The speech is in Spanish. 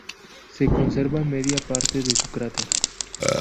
Se conserva media parte de su cráter.